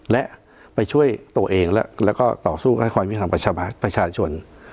และไปช่วยตัวเองแล้วแล้วก็ต่อสู้ค่อยค่อยมีความประชาชน